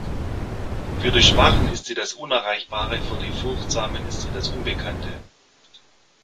Für die Schwachen ist sie das Unerreichbare, für die Furchtsamen ist sie das Unbekannte.